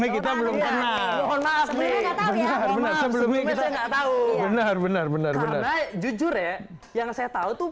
karena jujur ya yang saya tau tuh